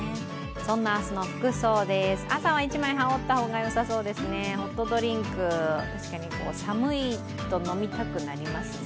そんな明日の服装です、朝は１枚羽織った方が良さそうですね、ホットドリンク、寒いと飲みたくなりますね。